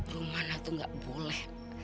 rumana tuh gak boleh